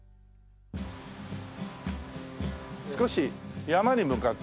少し山に向かって。